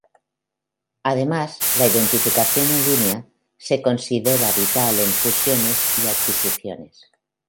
Además, la identificación en línea se considera vital en fusiones y adquisiciones.